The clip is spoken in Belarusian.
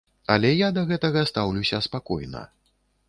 Але я да гэтага стаўлюся спакойна.